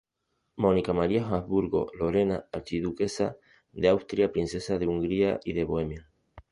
Mónica María Habsburgo-Lorena, Archiduquesa de Austria, Princesa de Hungría y de Bohemia.